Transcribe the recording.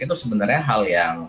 itu sebenarnya hal yang